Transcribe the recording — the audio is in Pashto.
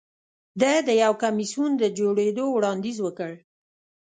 ده د یو کمېسیون د جوړېدو وړاندیز وکړ